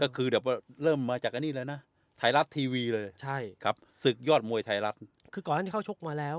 ก็คือเดี๋ยวเริ่มมาจากอันนี้เลยน่ะไทรัททีวีเลยใช่ครับ